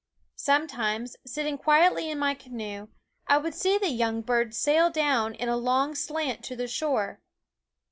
Sometimes, sitting quietly in my canoe, I would see the young birds sail down in a long slant to the shore.